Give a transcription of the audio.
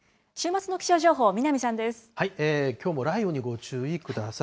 きょうも雷雨にご注意ください。